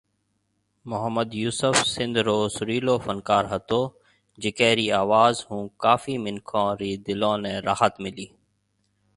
محمد يوسف سنڌ رو سريلو فنڪار هتو جڪي رِي آواز هون ڪافي منکون ري دلون ني راحت ملي